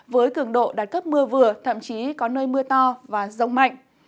với cường độ đạt cấp mưa vừa thậm chí có nơi mưa to và rông mạnh